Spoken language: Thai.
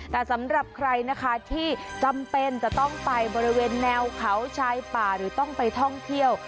แต่สำหรับใครนะคะที่จำเป็นจะต้องไปบริเวณแนวเขาชายป่าหรือต้องไปท่องเที่ยว